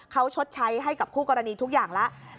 เขาชดใช้ให้กับคู่กรณีทุกอย่างแล้ว